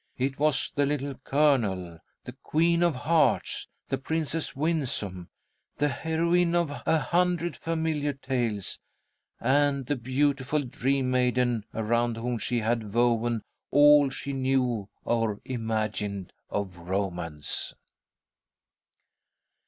It was the Little Colonel, the Queen of Hearts, the Princess Winsome, the heroine of a hundred familiar tales, and the beautiful Dream Maiden around whom she had woven all she knew or imagined of romance.